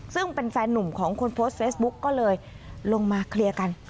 ซึ่งเป็นแฟนหนุ่มของคนโพสต์เฟซบุ๊กก็เลยลงมาเคลียร์กัน